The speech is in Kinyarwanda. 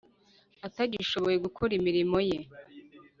atagishoboye gukora imirimo ye